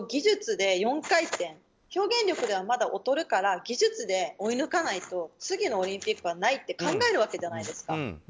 表現力ではまだ劣るから技術で追い抜かないと次のオリンピックはないと考えるわけじゃないですか。